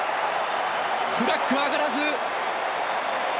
フラッグは上がらず。